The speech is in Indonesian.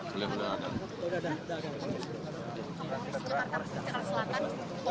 kamu harus nyepar nyepar ke celana selatan